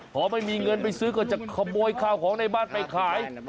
พอไม่มีเงินไปซื้อก็จะขโมยข้าวของในบ้านไปขาย